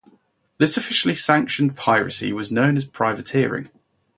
This officially sanctioned piracy was known as privateering.